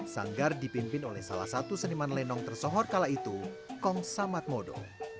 sanggar dipimpin oleh salah satu seniman lenong tersohor kala itu kong samatmodo